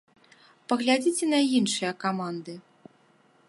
Паглядзіце на іншыя каманды.